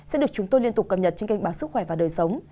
sẽ được chúng tôi liên tục cập nhật trên kênh báo sức khỏe và đời sống